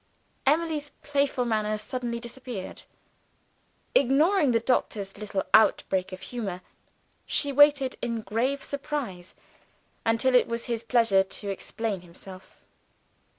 Emily's playful manner suddenly disappeared. Ignoring the doctor's little outbreak of humor, she waited in grave surprise, until it was his pleasure to explain himself.